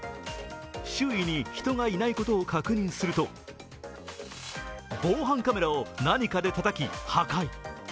周囲に人がいないことを確認すると防犯カメラを何かでたたき破壊。